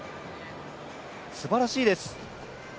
すばらしいです。